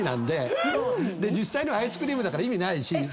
で実際にはアイスクリームだから意味ないし。